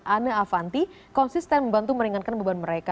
ana avanti konsisten membantu meringankan beban mereka